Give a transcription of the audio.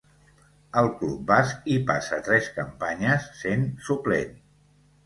Al club basc hi passa tres campanyes, sent suplent.